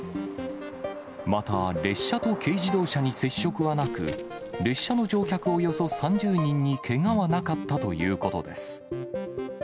また、列車と軽自動車に接触はなく、列車の乗客およそ３０人にけがはなかったということです。